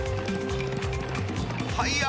はいや！